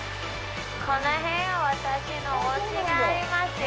この辺、私のおうちがありますよ。